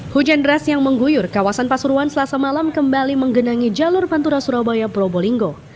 hujan deras yang mengguyur kawasan pasuruan selasa malam kembali menggenangi jalur pantura surabaya probolinggo